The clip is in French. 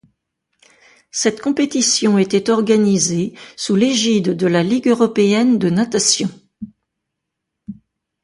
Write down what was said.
Cette compétition était organisée sous l'égide de la Ligue européenne de natation.